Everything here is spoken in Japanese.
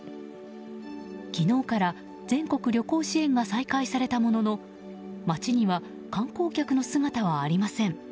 昨日から全国旅行支援が再開されたものの街には観光客の姿はありません。